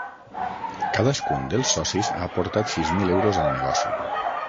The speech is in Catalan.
Cadascun dels socis ha aportat sis mil euros al negoci.